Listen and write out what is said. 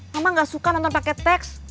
mama gak suka nonton pakai teks